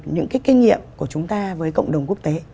những cái kinh nghiệm của chúng ta với cộng đồng quốc tế